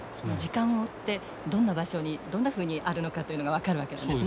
時間を追ってどんな場所にどんなふうにあるのかというのが分かるわけなんですね。